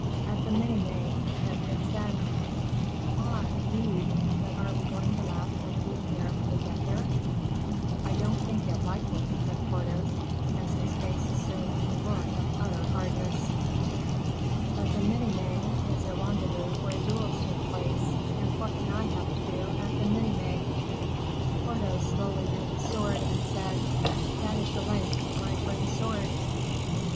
"At the Minimes, at Vincennes." "Ah, indeed! but are we going to laugh over the affair when we get there?" "I don't think it likely," said Porthos, as his face assumed a look of utter hardness. "But the Minimes is a rendezvous where duels take place, and what can I have to do at the Minimes?" Porthos slowly drew his sword, and said: "That is the length of my friend's sword."